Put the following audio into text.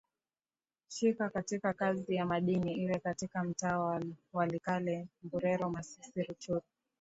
shika katika kazi ya madini iwe katika mtaa wa walikale mbubero masisi ruchuru